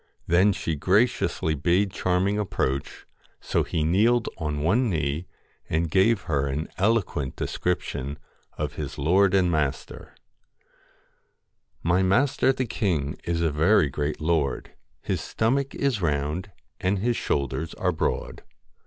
Then she graciously bade Charming approach ; so he kneeled on one knee, and gave her an eloquent description of his lord and master ' My master the king is a very great lord, His stomach is round and his shoulders are broad.